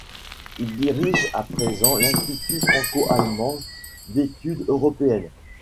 Il y dirige à présent l'Institut Franco-Allemand d'Etudes Européennes.